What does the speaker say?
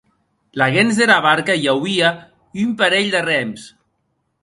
Laguens dera barca i auie un parelh de rems.